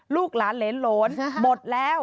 ลูกหลานเหรนโหลนหมดแล้ว